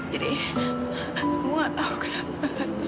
jadi aku nggak tahu kenapa seth